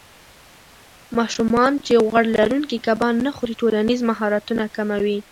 ماشومان چې غوړ لرونکي کبان نه خوري، ټولنیز مهارتونه کم وي.